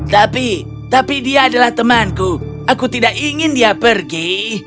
tapi tapi dia adalah temanku aku tidak ingin dia pergi